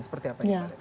seperti apa misalnya